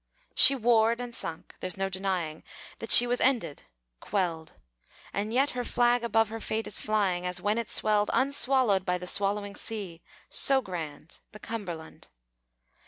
She warred and sunk. There's no denying That she was ended quelled; And yet her flag above her fate is flying, As when it swelled Unswallowed by the swallowing sea: so grand The Cumberland.